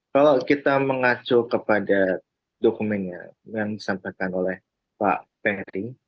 kalau kita mengacu kepada dokumennya yang disampaikan oleh pak ferry